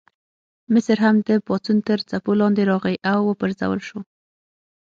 مصر هم د پاڅون تر څپو لاندې راغی او وپرځول شو.